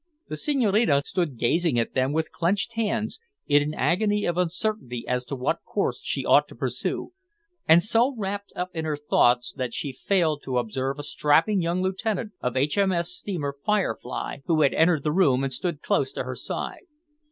The Senhorina stood gazing at them with clenched hands, in an agony of uncertainty as to what course she ought to pursue, and so wrapt up in her thoughts that she failed to observe a strapping young lieutenant of H.M.S. steamer `Firefly,' who had entered the room and stood close to her side.